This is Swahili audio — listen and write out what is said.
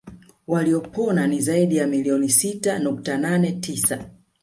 Waliopona ni zaidi ya milioni sita nukta nane tisa